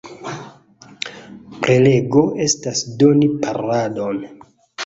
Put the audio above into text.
Prelego estas doni paroladon.